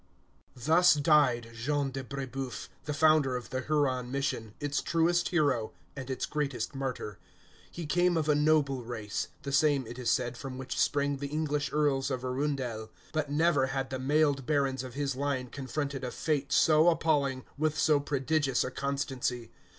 Thus died Jean de Brébeuf, the founder of the Huron mission, its truest hero, and its greatest martyr. He came of a noble race, the same, it is said, from which sprang the English Earls of Arundel; but never had the mailed barons of his line confronted a fate so appalling, with so prodigious a constancy.